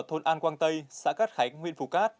ở thôn an quang tây xã cát khánh huyện phú cát